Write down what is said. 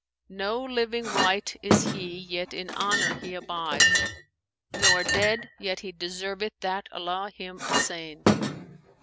No living wight is he, yet, in honour he abides; * Nor dead yet he deserveth that Allah him assain.'"